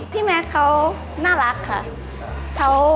พี่แม็กซ์เขาน่ารักค่ะ